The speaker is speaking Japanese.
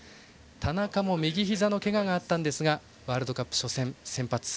田中も右ひざのけががありましたがワールドカップ初戦先発。